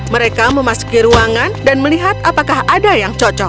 mereka memasuki ruangan dan melihat apakah ada yang cocok